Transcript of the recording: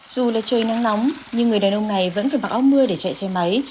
dù là trời nắng nóng nhưng người đàn ông này vẫn phải mặc áo mưa để chạy xe máy